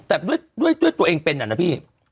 แต่ตัวเองเป็นน่ะล่ะพี่